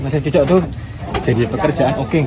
masih cucok tuh jadi pekerjaan oke gak